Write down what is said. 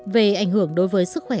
về ảnh hưởng đối với sức khỏe